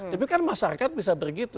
tapi kan masyarakat bisa begitu